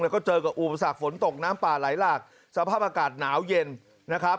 แล้วก็เจอกับอุปสรรคฝนตกน้ำป่าไหลหลากสภาพอากาศหนาวเย็นนะครับ